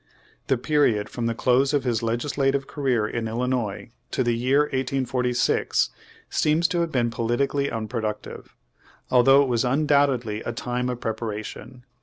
The period from the close of his legislative career in Illinois to the year 1846 seems to have been politically unproductive, although it was un doubtedly a time of preparation.